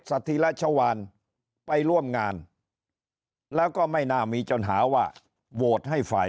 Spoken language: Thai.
สถิรัชวานไปร่วมงานแล้วก็ไม่น่ามีปัญหาว่าโหวตให้ฝ่าย